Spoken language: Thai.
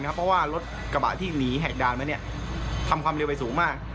เพราะว่ารถกระบะที่หนีแหกด่านมาทำความเร็วไปสูงมาก